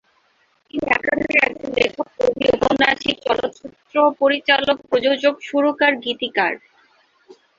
তিনি একাধারে একজন লেখক, কবি, ঔপন্যাসিক, চলচ্চিত্র পরিচালক, প্রযোজক, সুরকার, গীতিকার।